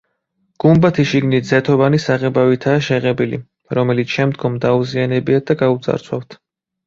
გუმბათი შიგნით ზეთოვანი საღებავითაა შეღებილი, რომელიც შემდგომ დაუზიანებიათ და გაუძარცვავთ.